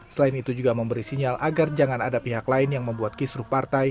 selain itu juga memberi sinyal agar jangan ada pihak lain yang membuat kisruh partai